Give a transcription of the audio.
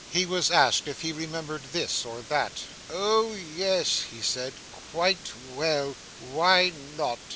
He was asked if he remembered this, or that. 'O yes,' he said, 'quite well why not?